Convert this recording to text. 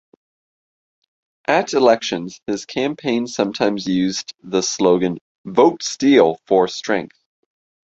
At elections his campaign sometimes used the slogan "Vote Steele For Strength".